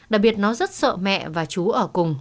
đặc biệt nó rất sợ mẹ và chú ở cùng